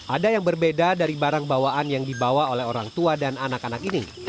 ada yang berbeda dari barang bawaan yang dibawa oleh orang tua dan anak anak ini